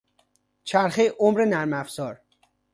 چرخه عمر نرم افزار